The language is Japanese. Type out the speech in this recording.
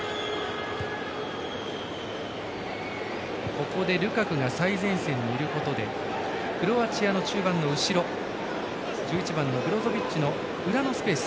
ここでルカクが最前線にいることでクロアチアの中盤の後ろ１１番のブロゾビッチの裏のスペース